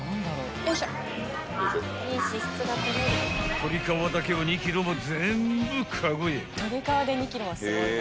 ［鶏皮だけを２ｋｇも全部カゴへ］